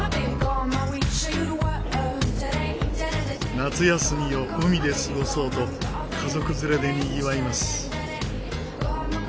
夏休みを海で過ごそうと家族連れでにぎわいます。